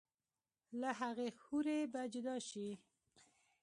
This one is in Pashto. لۀ هغې حورې به جدا شي